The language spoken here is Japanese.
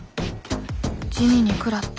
地味に食らった。